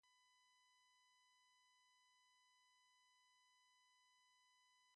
The reapers tried to cut it by throwing their sickles at it.